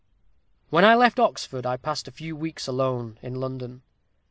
"When I left Oxford, I passed a few weeks alone, in London.